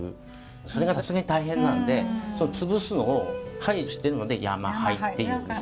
それがさすがに大変なんで潰すのを廃してるので山廃っていうんです。